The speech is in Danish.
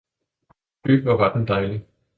fy, hvor den var dejlig!